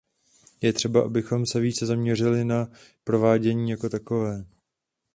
Je třeba, abychom se více zaměřili na provádění jako takové.